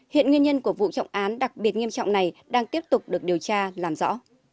hiện nguyên nhân của vụ trọng án đặc biệt nghiêm trọng này đang tiếp tục được điều tra làm rõ